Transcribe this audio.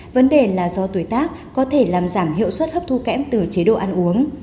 vấn đề là do tuổi tác có thể làm giảm hiệu suất hấp thu kém từ chế độ ăn uống